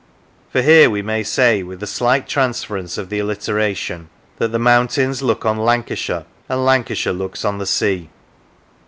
For here we may say, with a slight transference of the alliteration, that the mountains look on Lan cashire, and Lancashire looks on the sea.